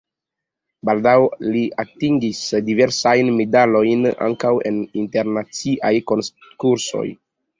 Baldaŭ li atingis diversajn medalojn ankaŭ en internaciaj konkursoj.